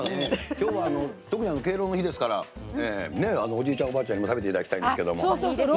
今日は特に敬老の日ですからおじいちゃん、おばあちゃんにも食べていただきたいんですけど。